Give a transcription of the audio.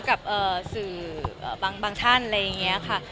กับสื่อบางท่านอะไรอย่างนี้ค่ะ